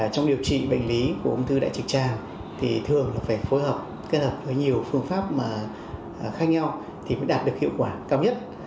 trong điều trị bệnh lý của ung thư đại trực tràng thì thường là phải phối hợp kết hợp với nhiều phương pháp mà khác nhau thì mới đạt được hiệu quả cao nhất